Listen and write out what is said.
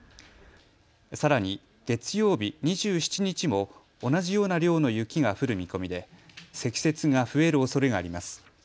さらに月曜日２７日も同じような量の雪が降る見込みで積雪が増えるおそれがあります。